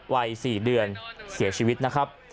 วัย๔เดือนเสียชีวิตนะครับ